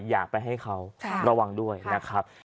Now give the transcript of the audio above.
อย่าไปให้เขาระวังด้วยนะครับ